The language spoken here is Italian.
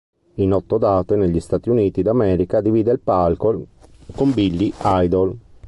In otto date, negli Stati Uniti d'America, divide il palco con Billy Idol.